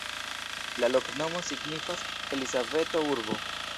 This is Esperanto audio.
La loknomo signifas: Elizabeto-urbo.